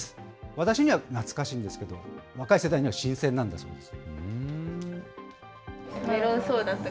私には懐かしいんですけど、若い世代には新鮮なんだそうです。